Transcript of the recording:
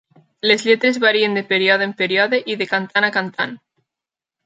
Les lletres varien de període en període i de cantant a cantant.